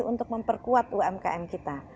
untuk memperkuat umkm kita